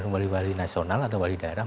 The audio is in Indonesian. walhi walhi nasional atau walhi daerah